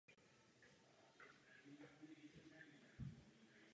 Rovněž existuje podpora zaměřená na obnovu socioekonomických podmínek v Barmě.